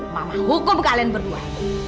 mama hukum kalian berdua